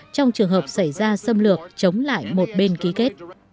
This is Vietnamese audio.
trong trường hợp xảy ra xâm lược chống lại một bên ký kết